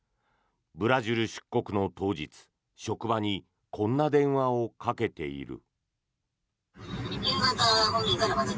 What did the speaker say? ブラジル出国の当日職場にこんな電話をかけている。